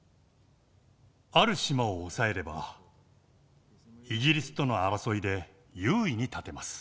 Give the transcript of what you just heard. ある島を押さえればイギリスとの争いで優位に立てます。